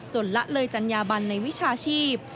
ละเลยจัญญาบันในวิชาชีพ